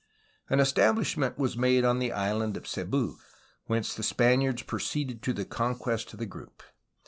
An estabhshment was made on the island of Cebu, whence the Spaniards proceeded to the conquest of the group.